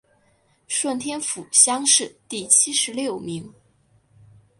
顺天府乡试第七十六名。